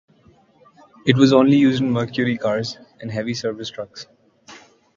It was only used in Mercury cars, and heavy service trucks.